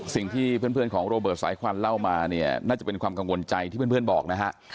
สิ่งที่เพื่อนของโรเบิร์ตสายควันเล่ามาเนี่ยน่าจะเป็นความกังวลใจที่เพื่อนบอกนะฮะ